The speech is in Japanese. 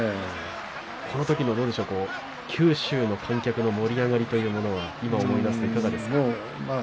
このときの九州の観客の盛り上がりというのは今、思い出すといかがですか？